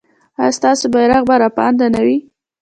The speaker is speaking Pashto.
ایا ستاسو بیرغ به رپانده نه وي؟